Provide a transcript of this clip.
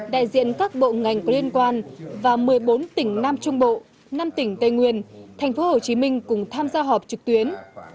đại diện các bộ ngành có liên quan và một mươi bốn tỉnh nam trung bộ năm tỉnh tây nguyên tp hcm cùng tham gia họp trực tuyến